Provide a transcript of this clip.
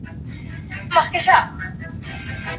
زموږ ټولنه فکري ثبات او سوليزې سيالۍ ته اړتيا لري.